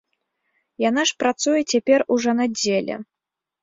Яна ж працуе цяпер у жанаддзеле.